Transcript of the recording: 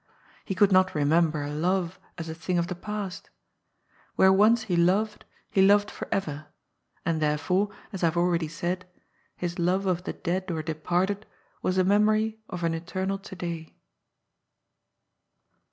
He could not remember love as a thing of the past Where once he loved, he loved forever, and, therefore, as I have already said, his love of the dead or departed was a memory of an eternal to day.